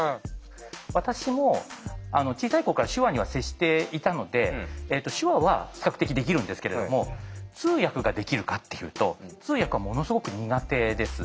私も小さい頃から手話には接していたので手話は比較的できるんですけれども通訳ができるかっていうと通訳はものすごく苦手です。